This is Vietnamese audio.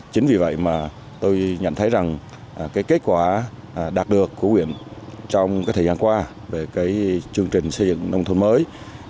chính vì vậy mà tôi nhận thấy rằng cái kết quả đạt được của huyện trong cái thời gian qua về cái chương trình xây dựng nông thuần mới